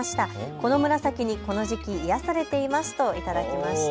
この紫にこの時期癒やされていますと頂きました。